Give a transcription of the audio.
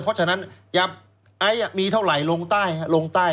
เพราะฉะนั้นแอ๋มีเท่าไหร่ลงใต้